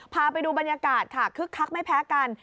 พาไปดูบรรยากาศค่ะคึกคักไม่แพ้กัน